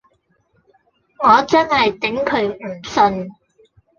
我真係頂佢唔順